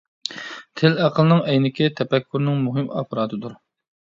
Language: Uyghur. تىل ئەقىلنىڭ ئەينىكى، تەپەككۇرنىڭ مۇھىم ئاپپاراتىدۇر.